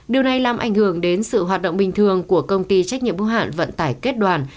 điều này làm ảnh hưởng đến sự hoạt động bình thường của công ty trách nhiệm bố hạn vận tải kết đoàn